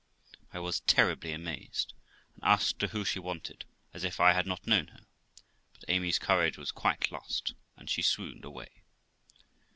I was terribly amazed, and asked her who she wanted, as if I had not known her, but Amy's courage was quite lost, and she swooned away.